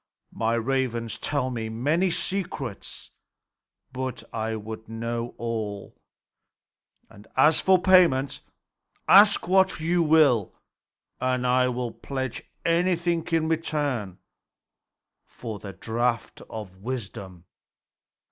My ravens tell me many secrets; but I would know all. And as for payment, ask what you will, and I will pledge anything in return for the draught of wisdom."